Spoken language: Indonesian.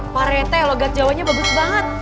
pak rete logat jawanya bagus banget